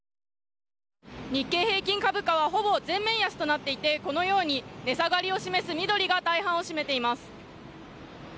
日経平均株価はほぼ全面安となっていてこのように値下がりを示す緑が大半を占めています。